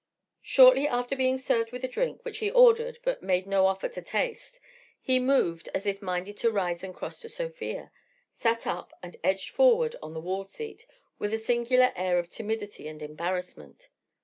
Shortly after being served with a drink which he ordered but made no offer to taste, he moved as if minded to rise and cross to Sofia, sat up and edged forward on the wall seat with a singular air of timidity and embarrassment.